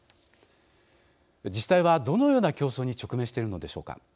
自治体は、どのような競争に直面しているのでしょうか。